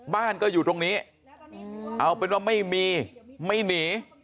บ้านก็อยู่ตรงนี้เอาเป็นว่าไม่มีไม่หนี